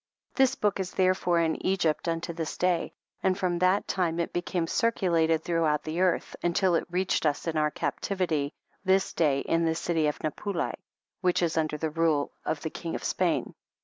This book is therefore in Egypt unto this day, and from that time it became circulated throughout the earth, until it reached us in our captivity this day in the city of Napuli, which is under the rule of the king of Spain.